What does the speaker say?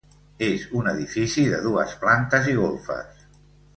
És un edifici de dues plantes i golfes.